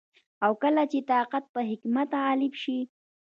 او کله چي طاقت په حکمت غالب سي